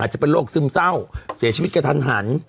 จะเป็นโรคซึมเศร้าเสียชีวิตกระทันหัน